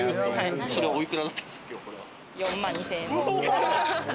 ４万２０００円。